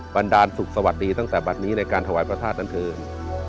ันดาลสุขสวัสดีตั้งแต่บัตรนี้ในการถวายพระธาตุนั้นเถิน